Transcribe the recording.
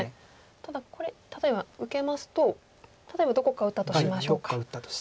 ただこれ例えば受けますと例えばどこか打ったとしましょうか。